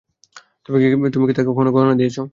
তুমি কী তাকে কখনও গহনা দিয়েছ?